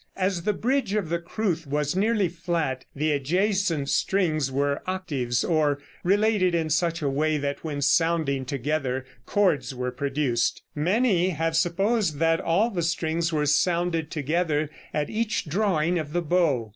As the bridge of the crwth was nearly flat, the adjacent strings were octaves, or related in such a way that when sounding together chords were produced. Many have supposed that all the strings were sounded together at each drawing of the bow.